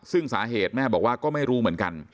ซึ่งสาเหตุแม่บอกว่าก็ไม่รู้เหมือนกัน